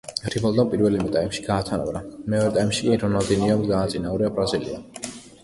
რივალდომ პირველივე ტაიმში გაათანაბრა, მეორე ტაიმში კი რონალდინიომ დააწინაურა ბრაზილია.